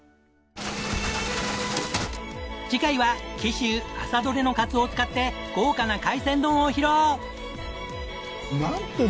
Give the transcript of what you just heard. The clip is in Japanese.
次回は紀州朝どれのカツオを使って豪華な海鮮丼を披露！なんて